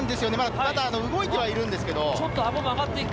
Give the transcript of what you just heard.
体、動いてはいるんですけど。